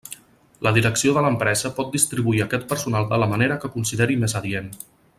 La direcció de l'empresa pot distribuir aquest personal de la manera que consideri més adient.